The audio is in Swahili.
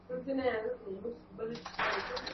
basi jambo hili lilipelekea kudumaza maendeleo ya